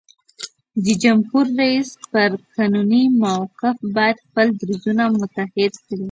د جمهور رئیس پر قانوني موقف باید خپل دریځونه متحد کړي.